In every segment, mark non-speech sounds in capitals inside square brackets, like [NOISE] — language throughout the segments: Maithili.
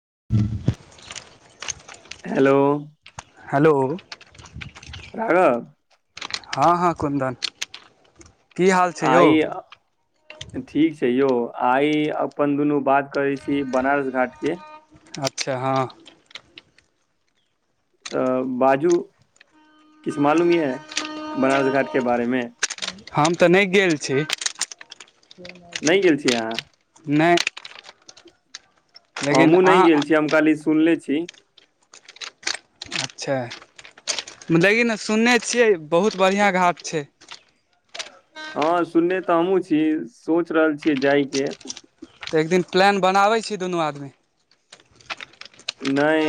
[INAUDIBLE] हेलो हेलो राघव हँ हँ कुन्दन की हाल छै यौ आइ ठीक छै यौ आइ अपन दुनू बात करै छी बनारस घाट के अच्छा हँ तऽ बाजू किछु मालूम यऽ बनारस घाटके बारेमे हम तऽ नहि गेल छी नहि गेल छी अहाँ नहि लेकिन हमहूँ नहि अहाँ गेल छी हम खाली सुनले छी छी अच्छा लेकिन सुनने छियै बहुत बढ़िआँ घाट छै हँ सुनने तऽ हमहूँ छियै सोच रहल छियै जायके तऽ एक दिन प्लान बनाबै छी दुनू आदमी नहि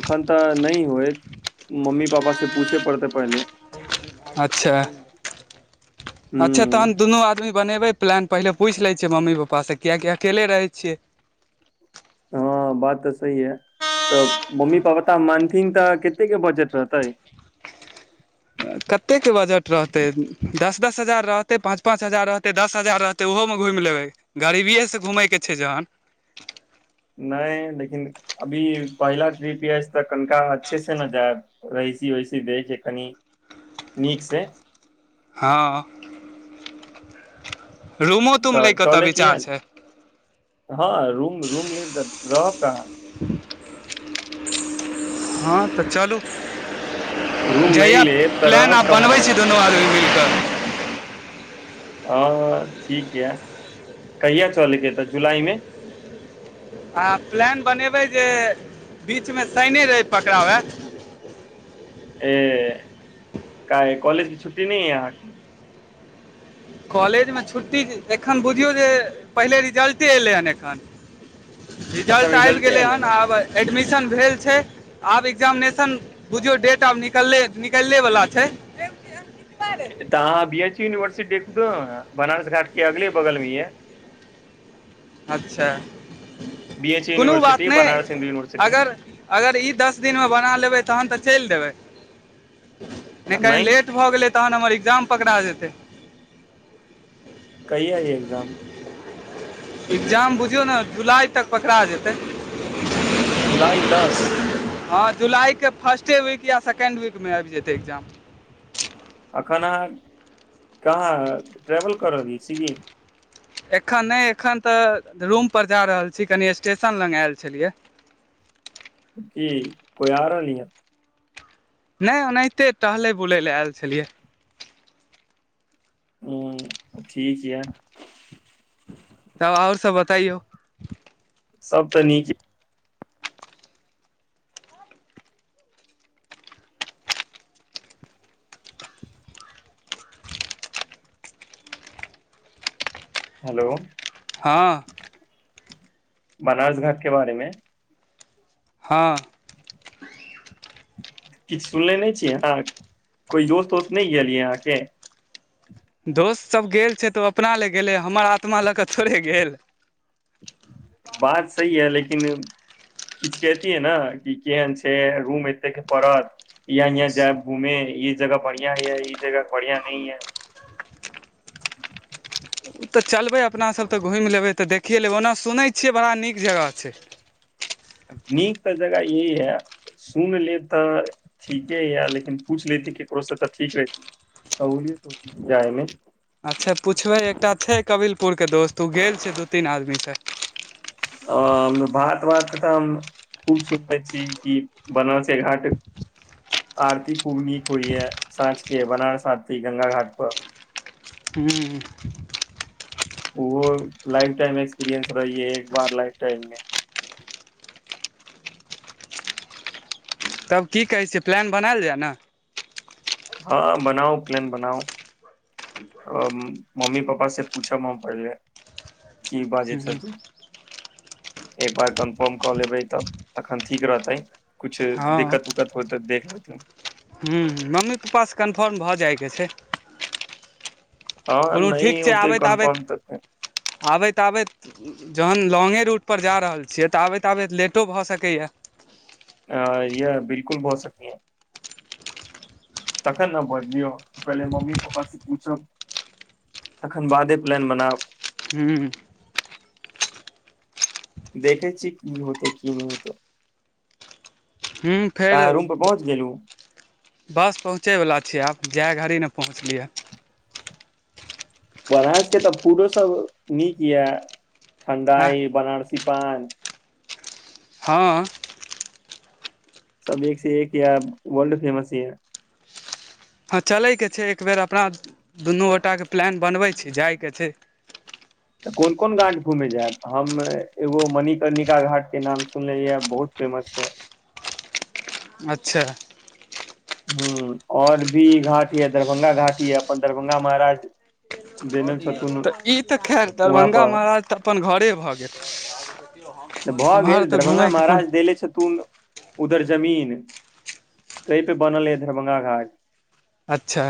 एखन तऽ नहि होएत मम्मी पापासँ पूछय पड़तै पहिले अच्छा हूँ अच्छा तहन दुनू आदमी बनेबै प्लान पहिले पूछि लै छियै मम्मी पप्पा से किएकि अकेले रहै छियै हँ बात तऽ सही हे तऽ मम्मी पापा मानथिन तऽ कत्ते के बजट रहतै कतेकके बजट रहतै दस दस हजार रहतै पाँच पाँच हजार रहतै दस हजार रहतै ओहोमे घुमि लेबै गरीबिएसँ घूमयके छै जखन नहि लेकिन अभी पहिला ट्रिप ये तऽ कनिका अच्छे से न जायब रैसी ओहिसी दैत जे कनी नीक से हँ रूमो तूम तऽ लैके ओतऽ चले की विचार ह छै हँ रूम रूम ले त रहब कहाँ [UNINTELLIGIBLE] हँ तऽ चलू रूम नहि जहिया लेब तऽ प्लान रहब आब कहाँ बनबै छी हुआं दुनू आदमी मिलि कऽ ह ठीक यऽ काहिय चलैके तऽ जुलाई मे आ प्लान बनेबै जे बीचमे साइनो रवि पकड़ाबए। एहि कॉलेजमे छुट्टी नहि अछि? कॉलेजमे एखन छुट्टी अछि। बुझियौ जे पहिले रिजल्टे एलै हन, एखन अखन रिजल्ट आबि रिजल्टे गेलै एले हन, ने आब एडमिशन छै आब एडमिशन बुझिय डेट आब निकलले वला छै तऽ अहाँ बी एच यूनिवर्सिटीमे बनारस घाटक अगल-बगलमे सेहो अछि। अच्छा एच कोनो बात यूनिवर्सिटी नहि बनारस हिन्दू यूनिवर्सिटी अगर अगर ई दस दिनमे बना लेबै तहन तऽ चलि देबै नहि कनि लेट भऽ गेलै त तखन हमर एग्जाम पकड़ा जाएत। काहिया एग्जाम एग्जाम बुझियौ ने जुलाई तक पकड़ा जेतै जुलाई तक हँ जुलाइके फर्स्टे वीक या सेकेण्ड वीकमे आबि जेतै एग्जाम कखन अह कहाँ ट्रेवल कर रहली सिगी एखन नहि एखन तऽ रूम पर जा रहल छी कनि स्टेशन लग आयल छलियै की कोई आ रहल नी ह नहि ओनाहिते टहले बुलय लए आयल छलियै हँ ठीक यए तब आओर सभ बतैयौ सब तऽ नीक हेलो हँ बनारस घाट के बारेमे हँ किछु सुनले नहि छिये अहाँ कोइ दोस्त वोस्त नहि गेल यै अहाँके दोस्त सभ गेल छै तऽ ओ अपना लए गेलै हमर आत्मा लऽ कऽ थोड़े गेल बात सही है लेकिन किछुियै ने कि केहन छै रूम एते पड़त याँ याँ जायब घुमे ई जगह बढ़िया य ई जगह बढ़िया न य ओ तऽ चलबै अपना सभ तऽ घुमि लेबै तऽ देखिए लेबै ओना सुनै छियै बड़ा नीक जगह छै नीक तऽ जगह यही यए सुन ले तऽ ठीके यए लेकिन पूछ लेती ककरोसँ तऽ ठीक रहती त जायमे अच्छा पूछबै एकटा छै कबीिलपुर के दोस्त ओ गेल छै दू तीन आदमी से आ भात वात तऽ हम खूब सुनै छी कि बनारसे घाट आरती खूब नीक होइए साँझके बनारस आरती गंगा घाट पर ह्म ओहो लाइफ टाइम एक्सपीरियंस रहैए एक बार लाइफ टाइम मे तब की कहै छियै प्लान बनायल जाय ने हँ बनाउ प्लान बनाउ मम्मी पापा से पूछ हम पढ़ले की बाजै छ तू एक बार कन्फर्म कऽ लेबै तऽ तखन ठीक रहतै कुछ हँ दिक्कत उक्कत होय तऽ देख लेथुन हूँ मम्मी पापा से कन्फर्म भऽ जाय जे छै हँ कुनु नहि ठीक छै होतै आबैत आबैत कन्फर्म तऽ आबैत आबैत जखन लॉगे रूट पर जा रहल छियै तऽ आबैत आबैत लेटो भऽ सकैए अ य बिलकुल भहु सकी है तखन अ भजियौ पहिे मम्मी पापा से पूछब तखन बादे प्लान बनाब ह्म देखै छी की होतै की नहि होतै ह फेर अहाँ रूम पर पहुँच गेलू बस पहुँचै वला छी आब जाय घड़ी ने पहुँचलियै ब्रसके तऽ फूडोसभ नीक यए ठण्डा आँह अइ बनारस तिपान हँ सबब एक से एक यै वर्ल्ड फेमस ही यै हँ चलयके छै एक बेर अपना दुनू गोटाके प्लान बनबै छै जायके छै तऽ कोन कोन घाट घुमे जायब हम एगो मणिकर्णिका घाट के नाम सुनलेै बहुत फेमस छै अच्छा ह आओर भी घाट है दरभंगा घाट ही है अपन दरभंगा महाराज देने छथुन तऽ ई तऽ खैर वहाँ दरभंगा पर महाराज तऽ अपन घरे भऽ गेल तऽ भऽ एम्हर गेल तऽ दरभंगा घूमयके कोन महाराज देले छथिथुन उधर जमीन तहपे बनल है दरभंगा घाट अच्छा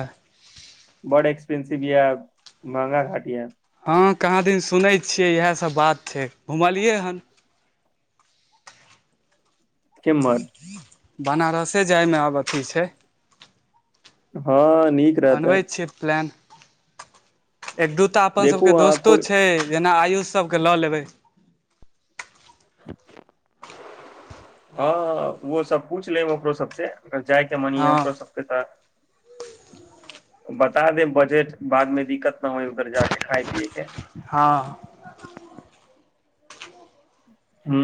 बहु् एक्सपेंसिव या महँगा घाट यै हँ कहाँ दिन सुनै छियै इएहसभ बात छै घुमलियै हन केमर [INAUDIBLE] बनारसे जायमे आब अथी छै हँ नीक रहतै बनबै छियै प्लान एक दूटा अपन सब देखू के अहाँ दोस्तो कोइ छै जेना आयुष सबके लऽ लेबै हँ ओ सब पूछ ले ओकरो सबसँ जायके मन या हँ ओकर सबके तऽ बता देब बजेट बाद मे दिक्कत न होइ उधर जा के खाय पियएके हँ ह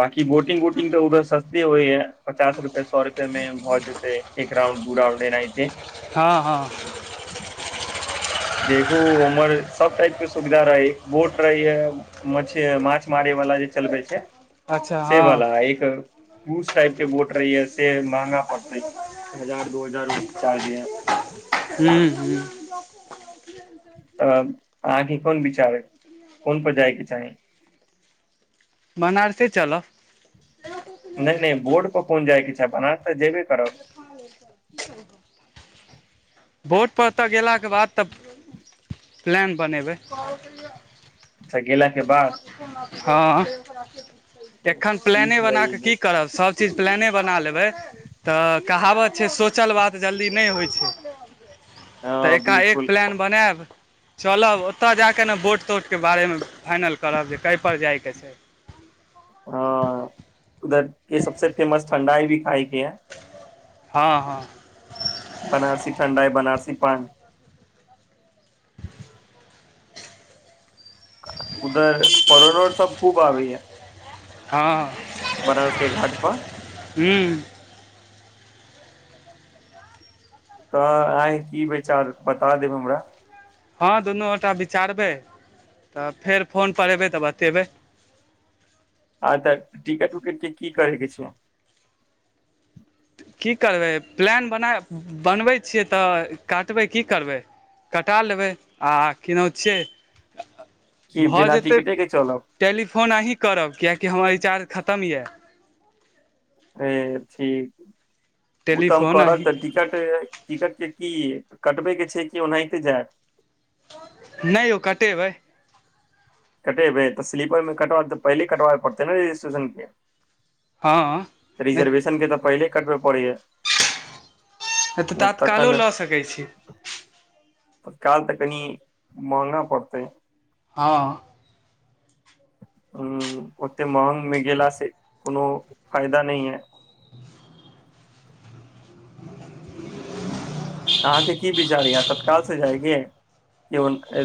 बकी बोटिंग वोटिंग तऽ उधर सस्ते होइ है पचास रुपआ सए रुपए में भऽ जेतै एक राउंड दू राउंड एनाएते हँ हँ देखू उमहर सब टाइप के सुविधा रहै बोट रहे य मछ माछ मारे वाला जे चलबे छै अच्छा से हँ वला एक उस टाइप के बोट रही है से महगा पड़त ह हजार दो हजार चार्ज य ह्म ह तऽ अहाँके कोन विचार कोन पर जायके चाही बनारसे चलब नहि नहि बोर्ट पर कोन जाइ के छै बनारस तऽ जेबे करब बोटपर त गेलाके बाद तऽ प्लान बनेबै अच्छा गेला के बाद हँ एखन प्लान ठीक बना क की य करब सभ चीज प्लान बना लेब तऽ कहावत छै सोचल बात जल्दी नहि होइ छै तऽ हँ एका एक बिलकुल प्लान बनायब चलब ओतय जा कऽ ने वोट तोट के बारे में फाइनल करब जे कयपर जाइके छै हँ उधर के सबस फेमस ठण्डाई भी आइ किया हँ हँ बनारसी ठंडाई बनारसी पान उधर परोनोर सब खूब आबै या हँ बनारस केँ घाट पर ह्म तऽ आहा के की बिचार बता देब हमरा तब फेर फोनपर अयबै तऽ बतयबै आ त टिकट उकट के की करै के छै की करबै प्लान बना बनबै छियै तऽ काटबै की करबै कटा लेबै आ कि नाउ छियै कि भऽ बिना जेतै टिकटे के चलब टेलीफोन अहीँ करब कियकि हमर रिचार्ज खतम खतम यऽ हे ठीक ओ तऽ हम टेलीफोन करब अहीँ तऽ टिकट टिकट के की कटबै के छै कि ओनाहिते जाय नहि यौ कटेबै कटेबै तऽ स्लीपरमे कटब तऽ पहिले कटबे पड़तै ने रजिस्ट्रेशन के हँ नहि रिजर्वेशन के तऽ पहिले कटबै पडै या है तऽ तात्कालो लऽ सकैत छी तत्काल तऽ कनि महगा पड़तै हँ ह ओते महग मे गेला सँ कोनो फायदा नहि यै अहाँके की विचार य यहाँ तत्काल से जाएगे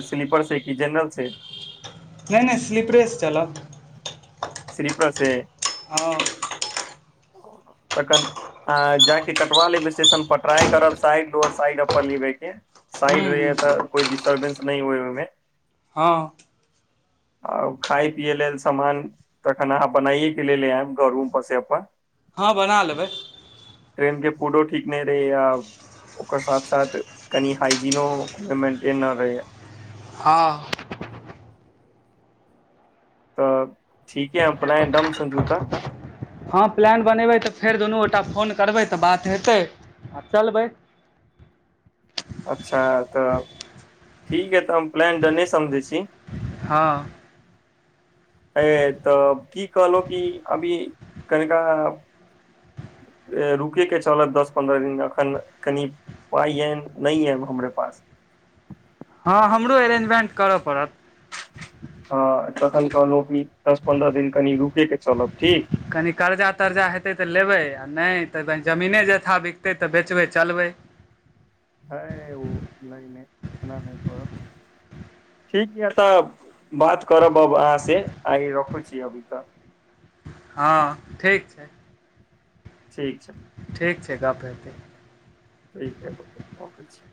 स्लीपर से कि जनरल से नहि नहि स्लीपरेसँ चलब सिलीपर सेे तखन जाके कटवा लेब स्टेशन पर ट्रई करब साइड डोर साइड अपन लेबेके साइड ह्म रहे ह्म तऽ कोइ डिस्टर्बेंस नहि होय ओहिमे हाँ आ खाय पियै लेल सामान तखन बनाइएके लेल ल आयब घरूम पर से अपन हँ बना लेबै कोनो ठीक नहि फेर आब ओकर साथ साथ कनि हाइजीनो मे मेंटेन आओर रहै हाँ तऽ ठीक है फलायडम समझूता हँ प्लान बनेबै तऽ फेर दुनू गोटा फोन करबै त बात हेतैय चलबै अच्छा तऽ ठीक हइ तऽ हम प्लान डने समझै छी हाँ अ तऽ की कहलहु कि अभी कनिका रुकैके चलत दस पन्द्रह दिन एखन कनि पाइ आ नहि आएब हमरे पास हँ हमरो अरेंजमेंट करय पड़त ह तखन कहलहुँ की दस पन्द्रह दिन कनि रुक के चलब ठीक कनि कर्जा तर्जा हेतै तऽ लेबै आ नहि तऽ जमीने जथा बिकतै तऽ बेचबै चलबै ह ओ नहि नहि ओना नहि करब ठीक य तऽ बात करब अब अहाँ से आइ रखू छी अभी तऽ हँ ठीक छै ठीक छै ठीक छै गप हेतै ठीक हइ बस रखै छी